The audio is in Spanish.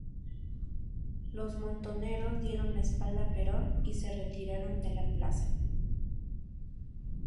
Los montoneros dieron las espalda a Perón y se retiraron de la plaza.